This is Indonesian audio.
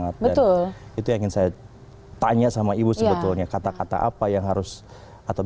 ya untuk terus semangat betul itu yang saya tanya sama ibu sebetulnya kata kata apa yang harus atau